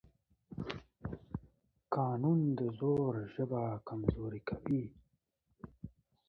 قانون د زور ژبه کمزورې کوي